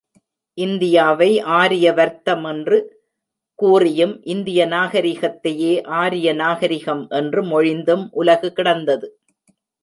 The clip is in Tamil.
இந்தியாவை ஆரிய வர்த்தமென்று கூறியும், இந்திய நாகரிகத்தையே ஆரிய நாகரிகம் என்று மொழிந்தும் உலகு கிடந்தது.